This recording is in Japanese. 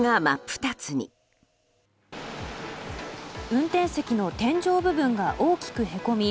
運転席の天井部分が大きくへこみ